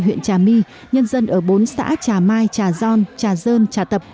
huyện trà my nhân dân ở bốn xã trà mai trà gion trà dơn trà tập